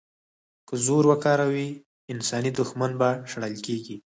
که زور وکاروي، انساني دوښمن به شړل کېږي.